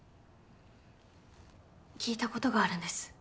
聞いたことがあるんです。